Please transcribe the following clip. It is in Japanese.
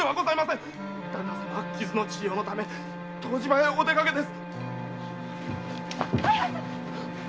旦那様は傷の治療のため湯治場へお出かけです。